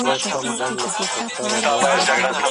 ډيجيټلي وسايل وخت مديريت آسانه کوي.